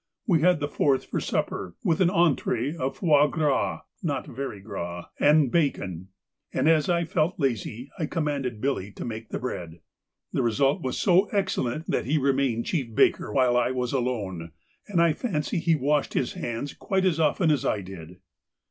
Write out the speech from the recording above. We had the fourth for supper, with an entrée of foie gras (not very gras) and bacon, and as I felt lazy I commanded Billy to make the bread. The result was so excellent that he remained chief baker while I was alone, and I fancy he washed his hands quite as often as I did.